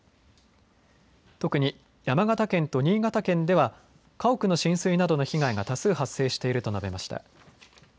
特に山形県と新潟県では家屋の浸水などの被害が多数発生していると述べました。